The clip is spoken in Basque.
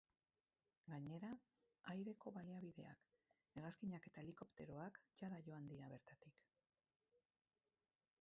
Gainera, aireko baliabideak, hegazkinak eta helikopteroak, jada joan dira bertatik.